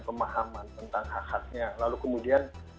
pemahaman tentang hak haknya lalu kemudian